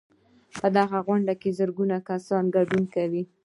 په دې غونډه کې زرګونه کسان ګډون کوي.